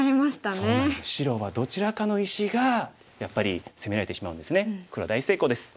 そうなんです白はどちらかの石がやっぱり攻められてしまうんですね。